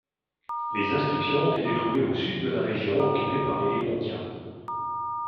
Les inscriptions ont été trouvées au sud de la région occupée par les Lépontiens.